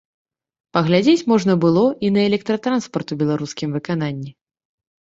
Паглядзець можна было і на электратранспарт у беларускім выкананні.